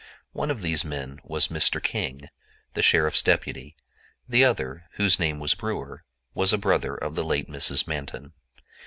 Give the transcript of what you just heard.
One of these men was Mr. King, the sheriff's deputy; the other, whose name was Brewer, was a brother of the late Mrs. Manton.